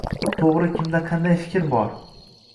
to’g’ri kimda qanday taklif bor.